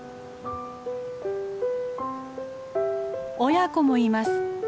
親子もいます。